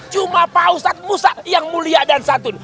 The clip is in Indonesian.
cuma pak ustaz musa yang mulia dan satun